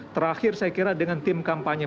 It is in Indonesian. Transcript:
terakhir saya kira dengan tim kampanye